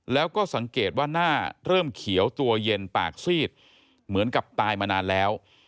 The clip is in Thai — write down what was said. แล้วก็สังเกตว่าหน้าเริ่มเขียวตัวเย็นปากซีดเหมือนกับตายมานานแล้ว